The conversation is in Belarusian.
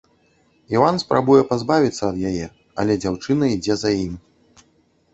Іван спрабуе пазбавіцца ад яе, але дзяўчына ідзе за ім.